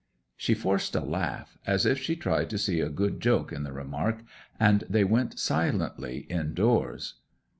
She forced a laugh, as if she tried to see a good joke in the remark, and they went silently indoors.